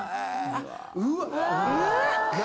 うわっ！